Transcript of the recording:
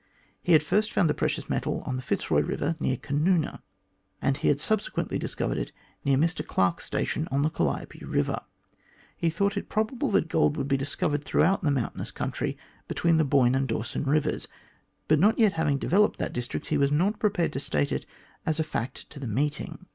He had first found the precious metal on the Fitzroy Eiver near Canoona, and he had subsequently discovered it near Mr Clarke's station on the Calliope Eiver. He thought it probable that gold would also be discovered throughout the mountainous country between the Boyne and the Dawson Eivers, but not yet having developed that district, he was not prepared to state it as a fact to the meeting.